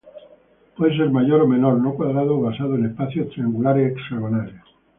Puede ser mayor o menor, no cuadrado o basado en espacios triangulares hexagonales.